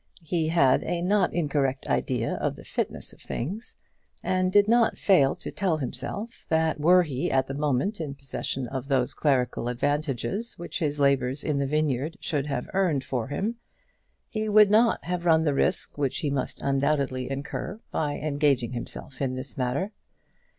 He had a not incorrect idea of the fitness of things, and did not fail to tell himself that were he at that moment in possession of those clerical advantages which his labours in the vineyard should have earned for him, he would not have run the risk which he must undoubtedly incur by engaging himself in this matter.